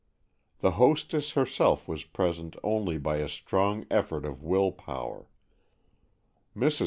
The hostess herself was present only by a strong effort of will power. Mrs.